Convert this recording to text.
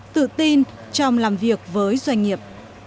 tự tin trong làm việc với doanh nghiệp